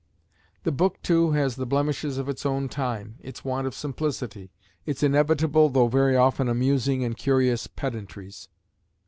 The book, too, has the blemishes of its own time; its want of simplicity, its inevitable though very often amusing and curious pedantries.